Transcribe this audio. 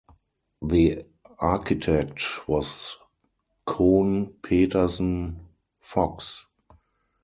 The architect was Kohn Pedersen Fox.